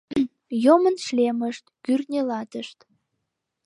Йомын шлемышт, кӱртньӧ латышт.